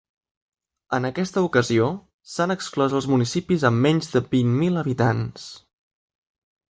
En aquesta ocasió, s’han exclòs els municipis amb menys de vint mil habitants.